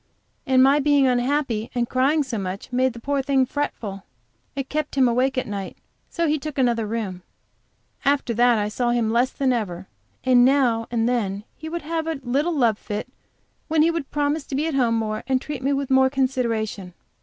And my being unhappy and crying so much, made the poor thing fretful; it kept him awake at night, so he took another room. After that I saw him less than ever, though now and then he would have a little love fit, when he would promise to be at home more and treat me with more consideration.